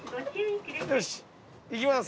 よしいきます！